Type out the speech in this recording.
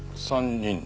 ３人。